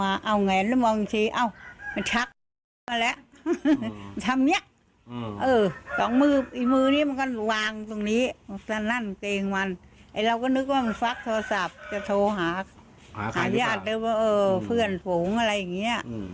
หายอาหารมึงเหมือนว่าเพื่อนฝงอะไรอย่างนี้